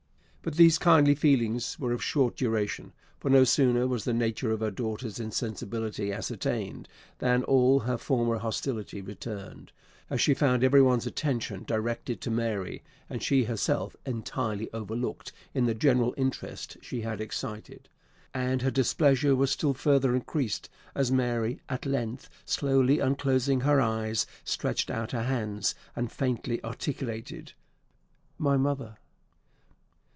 But these kindly feelings were of short duration; for no sooner was the nature of her daughter's insensibility as ascertained, than all her former hostility returned, as she found everyone's attention directed to Mary, and she herself entirely overlooked in the general interest she had excited; and her displeasure was still further increased as Mary, at length slowly unclosing her eyes, stretched out her hands, and faintly articulated, "My mother!"